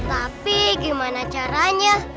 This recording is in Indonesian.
tapi gimana caranya